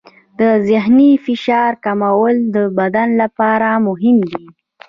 د ذهني فشار کمول د بدن لپاره مهم دي.